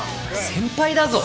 先輩だぞ！